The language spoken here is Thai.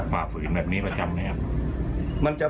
ปล่อยละครับ